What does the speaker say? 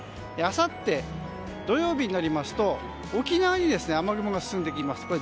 あさって、土曜日になりますと沖縄に雨雲が進んできます。